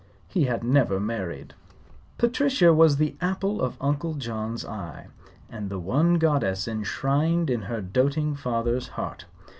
He had never married. Patricia was the apple of Uncle John's eye, and the one goddess enshrined in her doting father's heart.